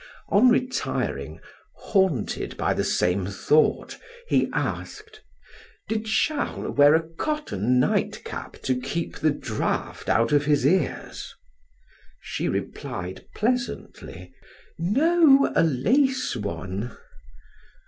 On retiring, haunted by the same thought, he asked: "Did Charles wear a cotton nightcap to keep the draft out of his ears?" She replied pleasantly: "No, a lace one!"